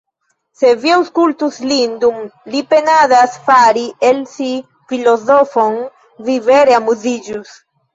Se vi aŭskultus lin, dum li penadas fari el si filozofon, vi vere amuziĝus.